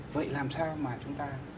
vậy làm sao mà chúng ta